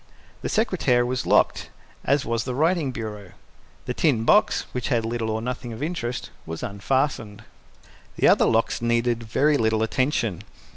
The secretaire was locked, as was the writing bureau. The tin box, which had little or nothing of interest, was unfastened. The other locks needed very little attention.